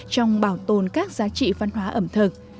trong bảo tồn các giá trị văn hóa ẩm thực